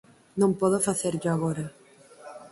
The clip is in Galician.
Non podo facerllo agora.